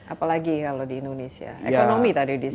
apalagi kalau di indonesia ekonomi tadi disebut